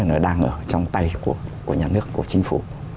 nó đang ở trong tay của nhà nước của chính phủ